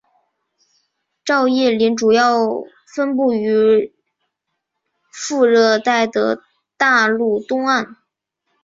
照叶林主要分布于副热带的大陆东岸。